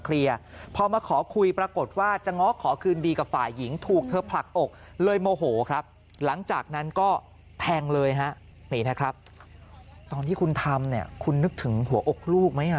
นี่ตอนที่คุณทำเนี่ยคุณนึกถึงหัวอกลูกไหม